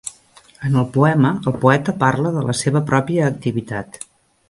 En el poema, el poeta parla de la seva pròpia activitat.